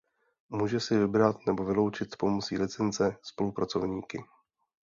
Může si vybrat nebo vyloučit pomocí licence spolupracovníky.